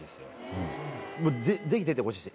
ぜひ出てほしいです。